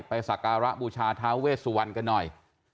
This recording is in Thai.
สักการะบูชาท้าเวสวรรณกันหน่อย